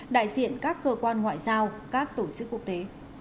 đại diện các cơ quan ngoại giao các tổ chức quốc tế